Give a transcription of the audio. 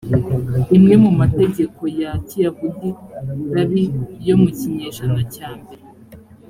imwe mu mategeko ya kiyahudi rabi yo mu kinyejana cyambere